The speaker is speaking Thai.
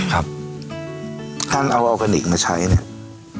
การเอาอลกาลิกมาใช้เนี่ย